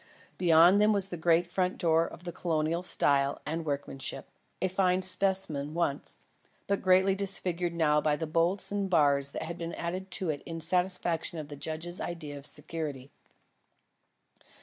Beyond them was the great front door of Colonial style and workmanship, a fine specimen once, but greatly disfigured now by the bolts and bars which had been added to it in satisfaction of the judge's ideas of security.